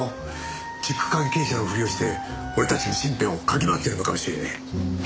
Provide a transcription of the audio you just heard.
塾関係者のふりをして俺たちの身辺を嗅ぎ回ってるのかもしれねえ。